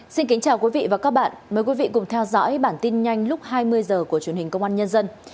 xin kính chào quý vị và các bạn mời quý vị cùng theo dõi bản tin nhanh lúc hai mươi h của truyền hình công an nhân dân